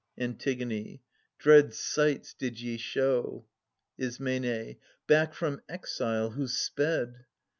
(Ant.) Ant. Dread sights did ye show — Is. Back from exile who sped.